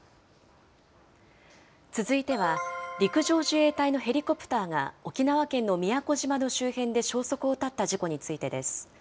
続いては、陸上自衛隊のヘリコプターが沖縄県の宮古島の周辺で消息を絶った事故についてです。